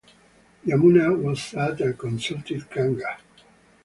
Yamuna was sad and consulted Ganga.